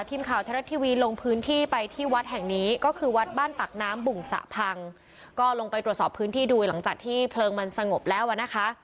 ทีมข่าวไทยรัฐทีวีลงพื้นที่ไปที่วัดแห่งนี้ก็คือวัดบ้านปากน้ำบุ่งสะพังก็ลงไปตรวจสอบพื้นที่ดูหลังจากที่เพลิงมันสงบแล้วอ่ะนะคะ